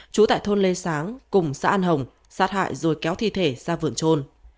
trú tại thôn lê sáng cùng xã an hồng sát hại rồi kéo thi thể ra vườn trôn